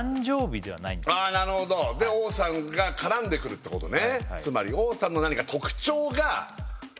なるほどで王さんが絡んでくるってことね